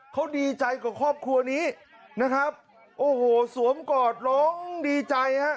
เขาดีใจกับครอบครัวนี้นะครับโอ้โหสวมกอดร้องดีใจฮะ